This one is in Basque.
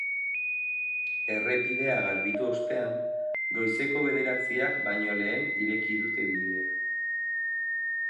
Errepidea garbitu ostean, goizeko bederatziak baino lehen ireki dute bidea.